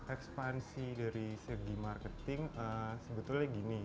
ekspansi dari segi marketing sebetulnya gini